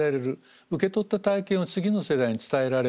受け取った体験を次の世代に伝えられる。